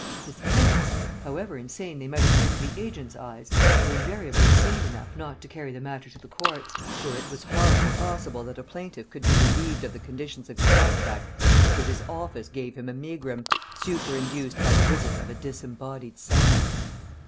His tenants, however insane they might appear to the agent's eyes, were invariably sane enough not to carry the matter to the courts, where it was hardly possible that a plaintiff could be relieved of the conditions of his contract, because his office gave him a megrim, super induced by the visit of a disembodied sigh.